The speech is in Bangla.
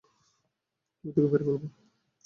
আমি তোকে মেরে ফেলব।